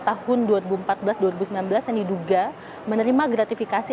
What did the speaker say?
tahun dua ribu empat belas dua ribu sembilan belas yang diduga menerima gratifikasi